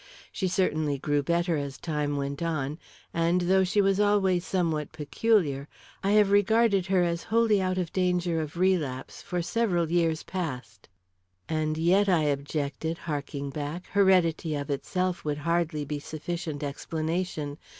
She certainly grew better as time went on, and, though she was always somewhat peculiar, I have regarded her as wholly out of danger of relapse, for several years past." "And yet," I objected, harking back, "heredity of itself would hardly be sufficient explanation.